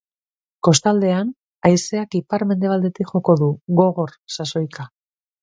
Kostaldean, haizeak ipar-mendebaldetik joko du, gogor, sasoika.